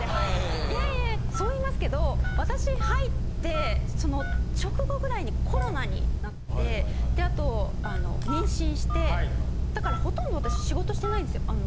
いやいやそう言いますけど私入ってその直後ぐらいにコロナになってであと妊娠してだからほとんど私仕事してないんですよ。